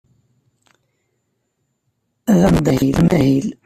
Ad aɣ-d-afen amahil.